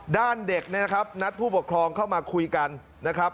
เด็กเนี่ยนะครับนัดผู้ปกครองเข้ามาคุยกันนะครับ